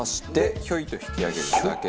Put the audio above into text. ひょいっと引き上げるだけ。